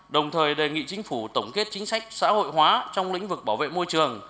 đồng thời đề nghị chính phủ tổng kết chính sách xã hội hóa trong lĩnh vực bảo vệ môi trường